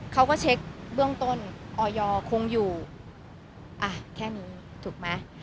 เขาก็เช็คเบื้องต้นออยคงอยู่อ่ะแค่นี้ถูกไหม